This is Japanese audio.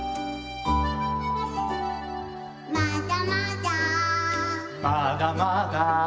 「まだまだ」まだまだ。